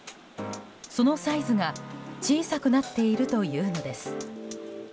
そのサイズが小さくなっているというのです。